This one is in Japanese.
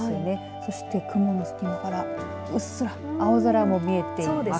そして、雲の隙間からうっすら青空も見えています。